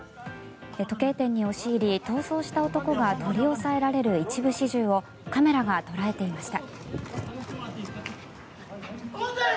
時計店に押し入り、逃走した男が取り押さえられる一部始終をカメラが捉えていました。